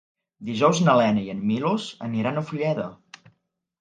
Dijous na Lena i en Milos iran a Fulleda.